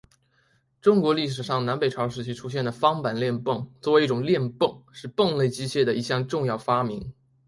中国历史上南北朝时期出现的方板链泵作为一种链泵是泵类机械的一项重要发明。